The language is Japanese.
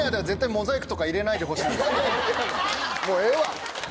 もうええわ。